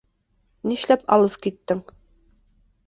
Нишләп алыҫ киттең?